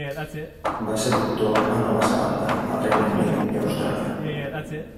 Va ser doctor a Nova Zelanda, el Regne Unit i Austràlia.